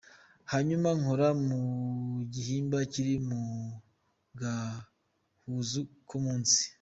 Hanyuma nkora ku gihimba kiri mu gahuzu ko munsi.